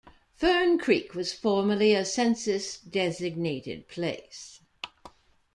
Fern Creek was formerly a census-designated place.